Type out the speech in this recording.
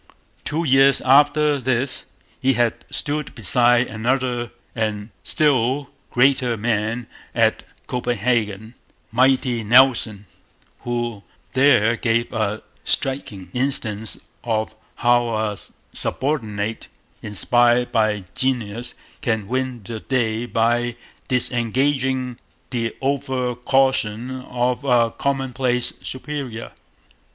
Two years after this he had stood beside another and still greater man at Copenhagen, 'mighty Nelson,' who there gave a striking instance of how a subordinate inspired by genius can win the day by disregarding the over caution of a commonplace superior.